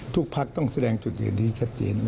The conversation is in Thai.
ทุกภักษ์ต้องแสดงจุดยืนที่แคปเจน